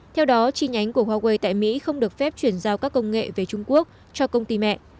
theo đó chi nhánh của huawei tại mỹ không được phép chuyển giao các công nghệ về trung quốc cho công ty mẹ